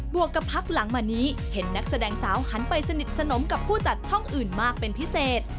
วกกับพักหลังมานี้เห็นนักแสดงสาวหันไปสนิทสนมกับผู้จัดช่องอื่นมากเป็นพิเศษ